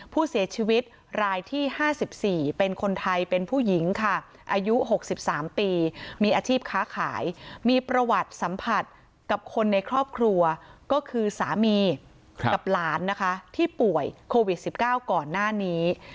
ผู้เสียชีวิตรายที่๕๔เป็นคนไทยเป็นผู้หญิงค่ะอายุ๖๓ปีมีอาชีพค้าขายมีประวัติสัมผัสกับคนในครอบครัวก็คือสามีกับหลานนะคะที่ป่วยโควิด๑๙ก่อนหน้านี้